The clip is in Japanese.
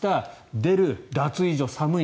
出る、脱衣所寒い。